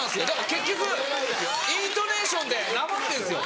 結局イントネーションでなまってんですよ。